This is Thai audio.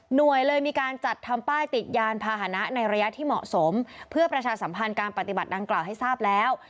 โดยมีการจัดทำป้ายติดยานพาหนะในระยะที่เหมาะสมเพื่อประชาสัมพันธ์การปฏิบัติดังกล่าวให้ทราบแล้ว